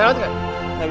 tidak ada yang bisa dikira